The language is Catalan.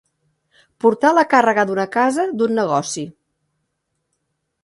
Portar la càrrega d'una casa, d'un negoci.